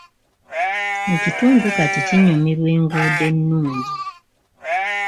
Ekitundu kati kinyumirwa enguudo ennungi.